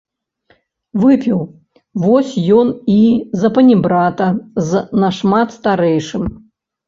Выпіў, вось ён і запанібрата з нашмат старэйшым.